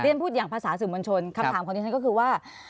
ฉันพูดอย่างภาษาสื่อมวลชนคำถามของดิฉันก็คือว่า